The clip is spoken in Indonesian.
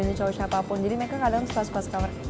sama cowok siapapun jadi mereka kadang suka suka suka